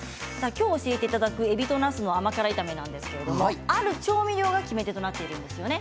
きょう教えていただくえびとなすの甘辛炒めなんですけれど、ある調味料が決め手となっているんですよね。